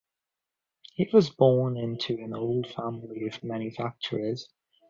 He was born into an old family of manufacturers.